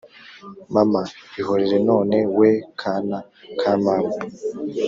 mama ihorere none we kana ka mama